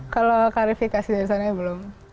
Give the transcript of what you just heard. kalau klarifikasi dari sana belum